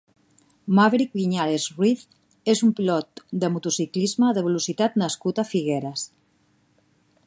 Maverick Viñales Ruiz és un pilot de motociclisme de velocitat nascut a Figueres.